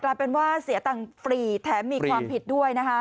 กลายเป็นว่าเสียตังค์ฟรีแถมมีความผิดด้วยนะคะ